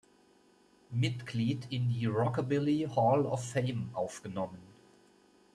Mitglied in die "Rockabilly Hall of Fame" aufgenommen.